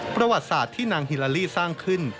ประวัติศาสตร์ที่นางฮิลาลีสร้างขึ้น